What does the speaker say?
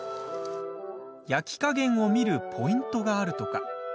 焼き加減を見るポイントがあるとか。